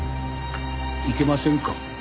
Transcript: いけませんか？